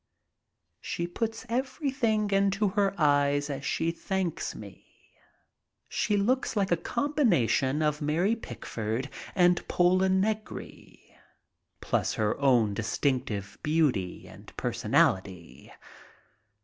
She puts everything into her eyes as she thanks me. She looks like a combination of Mary Pickford and Pola Negri plus her own distinctive beauty and personality.